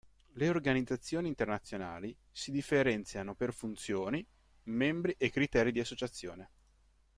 Le organizzazioni internazionali si differenziano per funzioni, membri e criteri di associazione.